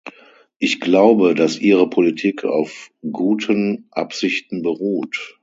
Ich glaube, dass Ihre Politik auf guten Absichten beruht.